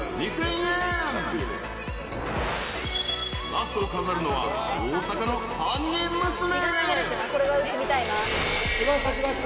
［ラストを飾るのは大阪の３人娘］